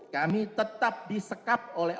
kami tetap disekap oleh